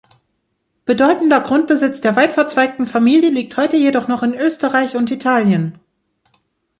Bedeutender Grundbesitz der weitverzweigten Familie liegt heute jedoch noch in Österreich und Italien.